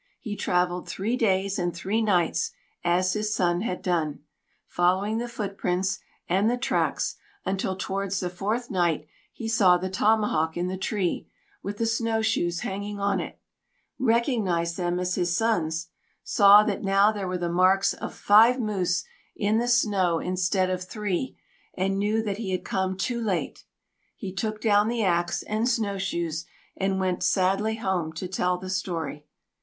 He travelled three days and three nights, as his son had done, following the foot prints and the tracks until, towards the fourth night, he saw the tomahawk in the tree, with the snowshoes hanging on it, recognized them as his son's, saw that now there were the marks of five moose in the snow instead of three, and knew that he had come too late. He took down the axe and snowshoes, and went sadly home to tell the story.